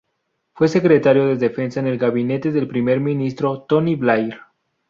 Fue secretario de defensa en el gabinete del primer ministro Tony Blair.